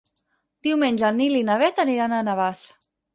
Diumenge en Nil i na Bet aniran a Navàs.